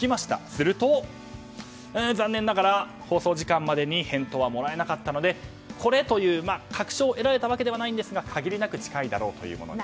すると、残念ながら放送時間までに返答はもらえなかったのでこれという確証を得られたわけではないんですが限りなく近いだろうと。